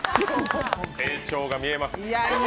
成長が見えます。